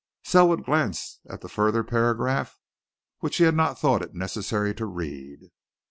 Selwood glanced at the further paragraph which he had not thought it necessary to read.